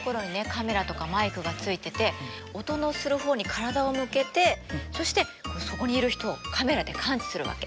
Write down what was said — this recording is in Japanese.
カメラとかマイクがついてて音のする方向に体を向けてそしてそこにいる人をカメラで感知するわけ。